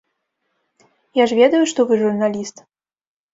Я ж ведаю, што вы журналіст.